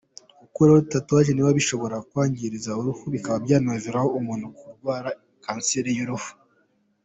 Gukuraho tatouage nabi bishobora kwangiza uruhu, bikaba byanaviramo umuntu kurwara kanseri y’uruhu.